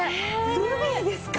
ルビーですか？